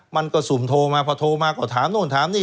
มันก็สุ่มโทรมาพอโทรมาก็ถามนู่นถามนี่